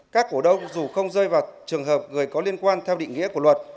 các cổ đông dù không rơi vào trường hợp người có liên quan theo định nghĩa của luật